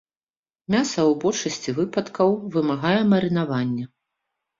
Мяса ў большасці выпадкаў вымагае марынавання.